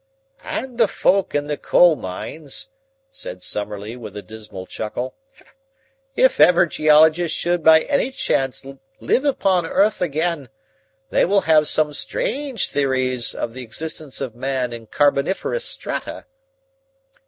"And the folk in the coal mines," said Summerlee with a dismal chuckle. "If ever geologists should by any chance live upon earth again they will have some strange theories of the existence of man in carboniferous strata."